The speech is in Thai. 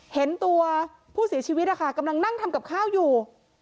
เห็นตัวผู้เสียชีวิตกำลังนั่งทำกับข้าวอยู่